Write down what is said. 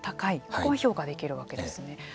ここは評価できるわけですね。